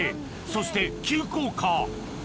そして急降下